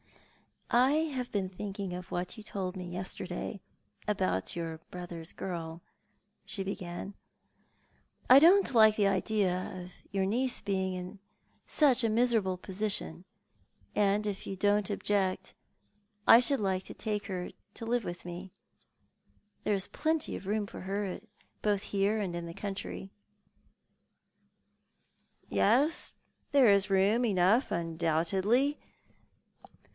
" 1 have been tliinking of what you told mo yesterday about your brother's girl," she began. " I don't like the idea of your A Letter f^'om the Dead. 1 1 niece being in such a miserable position, and if you don't object I should like to take her to live with me. There is plenty of room for her, both here and in the country." *' Yes, there is room enough, undoubtedly.